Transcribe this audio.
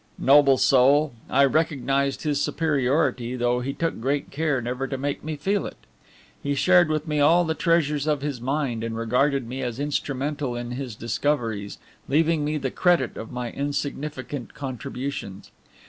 Noble soul! I recognized his superiority, though he took great care never to make me feel it. He shared with me all the treasures of his mind, and regarded me as instrumental in his discoveries, leaving me the credit of my insignificant contributions.